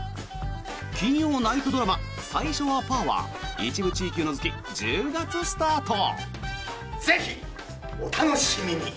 金曜ナイトドラマ「最初はパー」は一部地域を除き１０月スタート！